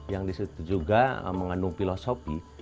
yang disitu juga mengandung filosofi